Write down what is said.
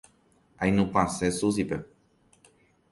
Ainupãse Suzype.